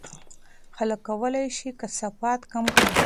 خلک کولای شي کثافات کم کړي.